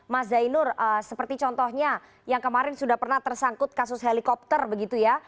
mas zainur seperti contohnya yang kemarin sudah pernah tersangkut kasus helikopter begitu ya